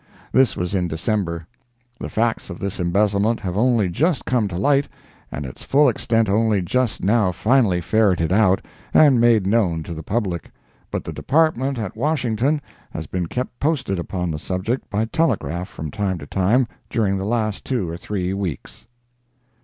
This was in December. The facts of this embezzlement have only just come to light and its full extent only just now finally ferreted out and made known to the public, but the Department at Washington has been kept posted upon the subject by telegraph from time to time during the last two or three weeks.